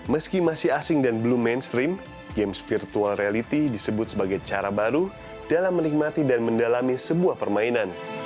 meski masih asing dan belum mainstream games virtual reality disebut sebagai cara baru dalam menikmati dan mendalami sebuah permainan